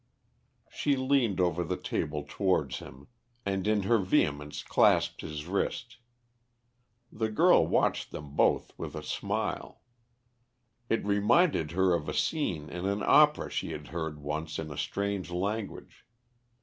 She leaned over the table towards him, and in her vehemence clasped his wrist. The girl watched them both with a smile. It reminded her of a scene in an opera she had heard once in a strange language.